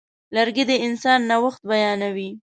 لرګی د انسان نوښت بیانوي.